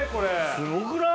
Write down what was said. すごくない？